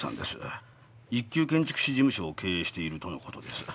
一級建築士事務所を経営しているとの事です。